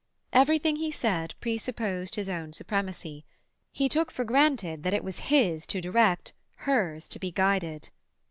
Everything he said presupposed his own supremacy; he took for granted that it was his to direct, hers to be guided.